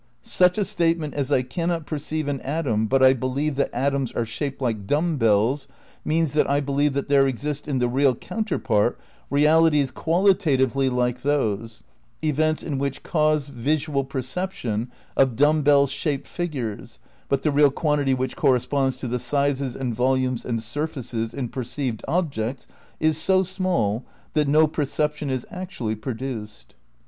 . such a statement as 'I cannot perceive an atom but I believe that atoms are shaped like dumb beUs' means that I believe that there exist in the real counterpart realities qualitatively like those, events in which cause visual perception of dumb bell shaped figures, but the real quantity which corresponds to the sizes and volumes and surfaces in perceived objects is so small that no perception is actually produced."